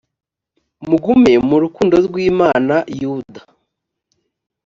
mugume mu rukundo rw’imana yuda